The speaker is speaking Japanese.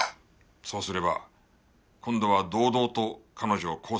そうすれば今度は堂々と彼女を拘束できます。